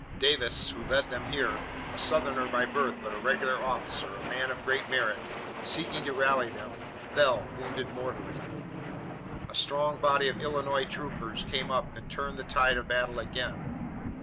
Davis, who led them here, a Southerner by birth, but a regular officer, a man of great merit, seeking to rally them, fell, wounded mortally. A strong body of Illinois troops came up and turned the tide of battle again.